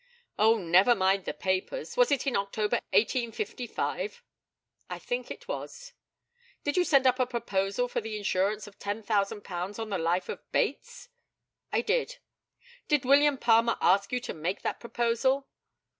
Oh, never mind the papers. Was it in October, 1855? I think it was. Did you send up a proposal for an insurance of £10,000 on the life of Bates? I did. Did William Palmer ask you to make that proposal?